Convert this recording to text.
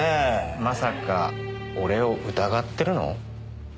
まさか俺を疑ってるの？